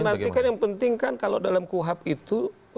nanti kan yang penting kan kalau dalam kuhap itu